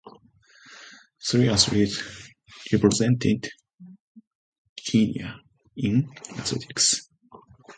Three athletes represented Guinea in athletics.